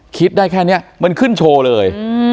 คิดได้แค่นี้มันขึ้นโชว์เลย